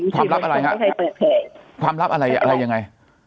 ความลับอะไรค่ะความลับอะไรยังไง